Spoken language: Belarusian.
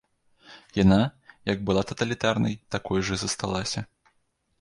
Яна, як была таталітарнай, такой жа і засталася.